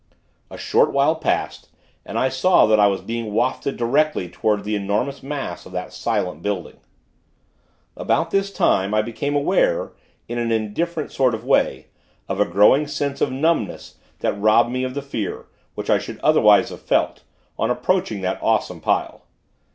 A short while passed, and I saw that I was being wafted directly toward the enormous mass of that silent building. About this time, I became aware, in an indifferent sort of way, of a growing sense of numbness, that robbed me of the fear, which I should otherwise have felt, on approaching that awesome Pile.